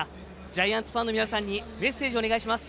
ジャイアンツファンの皆さんにメッセージをお願いします。